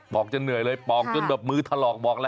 จะเหนื่อยเลยปอกจนแบบมือถลอกบอกแล้ว